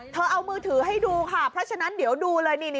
เอามือถือให้ดูค่ะเพราะฉะนั้นเดี๋ยวดูเลยนี่